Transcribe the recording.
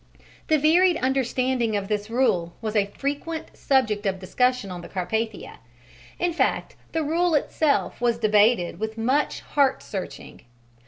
The varied understanding of this rule was a frequent subject of discussion on the Carpathia in fact, the rule itself was debated with much heart searching.